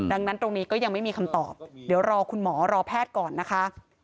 ดังนั้นตรงนี้ก็ยังไม่มีคำตอบเดี๋ยวรอคุณหมอรอแพทย์ก่อนนะคะ